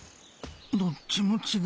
どっちもちがう。